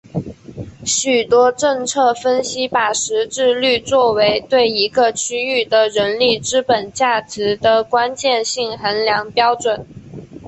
许多政策分析把识字率作为对一个区域的人力资本价值的关键性衡量标准。